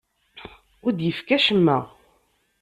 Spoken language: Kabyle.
Ur d-yefki acemma.